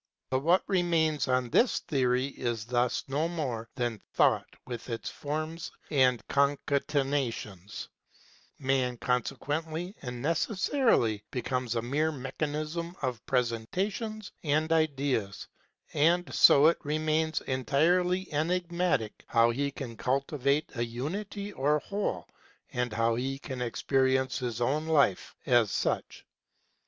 But what 44 KNOWLEDGE AND LIFE remains on this theory is thus no more than Thought with its forms and concatenations : man consequently and necessarily becomes a mere mechanism of Presentations and Ideas ; and so it remains entirely enigmatic how he can cultivate a unity or whole, and how he can experience his own life as such.